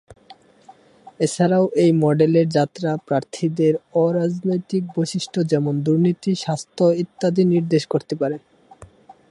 এছাড়াও এই মডেলের মাত্রা প্রার্থীদের অ-রাজনৈতিক বৈশিষ্ট্য যেমন দুর্নীতি, স্বাস্থ্য ইত্যাদি নির্দেশ করতে পারে।